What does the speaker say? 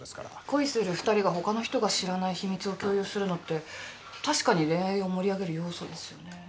恋する２人が他の人が知らない秘密を共有するのって確かに恋愛を盛り上げる要素ですよね。